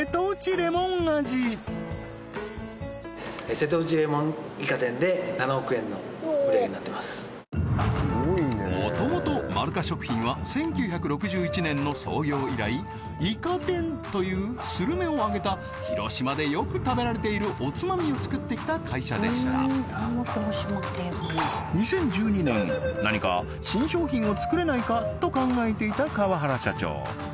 れもん味もともとまるか食品は１９６１年の創業以来イカ天というするめを揚げた広島でよく食べられているおつまみを作ってきた会社でした２０１２年何か新商品を作れないかと考えていた川原社長